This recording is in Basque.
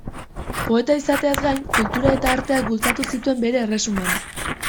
Poeta izateaz gain, kultura eta arteak bultzatu zituen bere erresuman.